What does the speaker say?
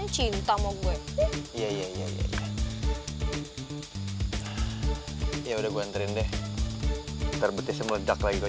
cinta mau gue iya iya iya iya iya udah gua anterin deh terbetis meledak lagi